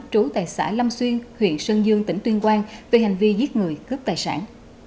trú tại xã lâm xuyên huyện sơn dương tỉnh tuyên quang về hành vi giết người cướp tài sản